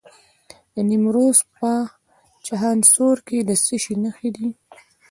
د نیمروز په چخانسور کې د څه شي نښې دي؟